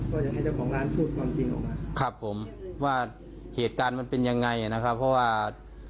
ก็อยากให้เจ้าของร้านพูดความจริงออกมาครับผมว่าเหตุการณ์มันเป็นยังไงนะครับเพราะว่า